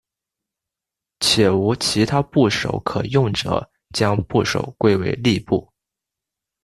且无其他部首可用者将部首归为立部。